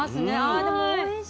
あでもおいしい。